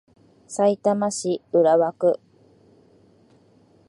さいたま市浦和区